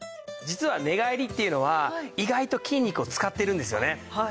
実は寝返りっていうのは意外と筋肉を使ってるんですよね。